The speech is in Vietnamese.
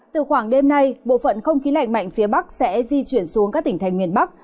từ khoảng đêm nay bộ phận không khí lạnh mạnh phía bắc sẽ di chuyển xuống các tỉnh thành miền bắc